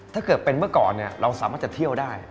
ถ้าเกิดเป็นเมื่อก่อนเราสามารถจะเที่ยวได้